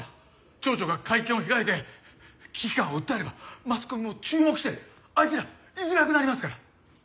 町長が会見を開いて危機感を訴えればマスコミも注目してあいつら居づらくなりますから。